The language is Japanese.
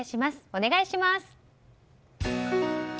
お願いします。